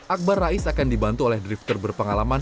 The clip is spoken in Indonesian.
akbar rais akan dibantu oleh drifter berpengalaman